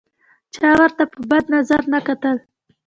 چا ورته په بد نظر نه کتل.